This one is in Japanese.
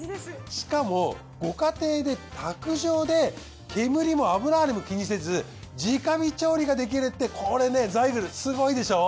しかもご家庭で卓上で煙も油ハネも気にせず直火調理ができるってこれザイグルすごいでしょう？